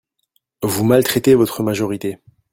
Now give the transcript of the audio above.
Vous maltraitez votre majorité